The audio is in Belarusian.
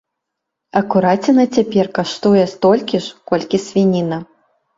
А кураціна цяпер каштуе столькі ж, колькі свініна.